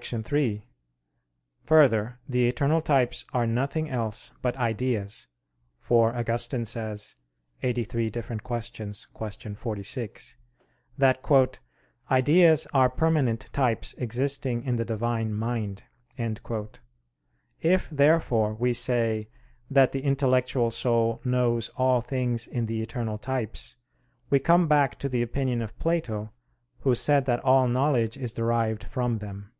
3: Further, the eternal types are nothing else but ideas, for Augustine says (QQ. 83, qu. 46) that "ideas are permanent types existing in the Divine mind." If therefore we say that the intellectual soul knows all things in the eternal types, we come back to the opinion of Plato who said that all knowledge is derived from them.